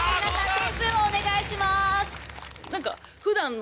点数をお願いします。